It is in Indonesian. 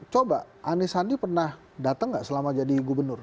coba anis andi pernah datang nggak selama jadi gubernur